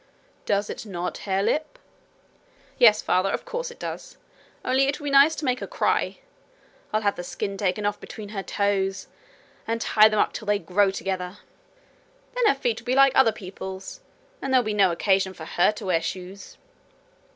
Does it not, Harelip?' 'Yes, father; of course it does. Only it will be nice to make her cry. I'll have the skin taken off between her toes, and tie them up till they grow together. Then her feet will be like other people's, and there will be no occasion for her to wear shoes.'